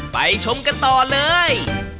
ชมกันต่อเลย